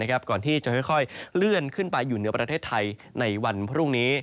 ก่อนที่จะค่อยเลื่อนขึ้นไปอยู่เหนือประเทศไทยในวันพรุ่งนี้